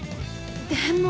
でも。